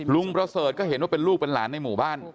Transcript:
ประเสริฐก็เห็นว่าเป็นลูกเป็นหลานในหมู่บ้าน